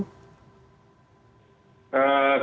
kalau menurut pak pandu